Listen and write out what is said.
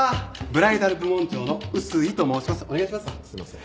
ブライダル部門長の碓井と申します。